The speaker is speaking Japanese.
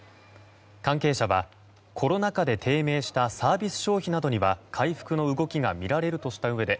関係者はコロナ禍で低迷したサービス消費などには回復の動きがみられるとしたうえで